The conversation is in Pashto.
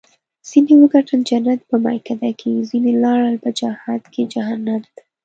ځینو وګټل جنت په میکده کې ځیني لاړل په جهاد کې جهنم ته